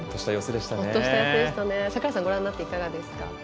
櫻井さん、ご覧になっていかがですか？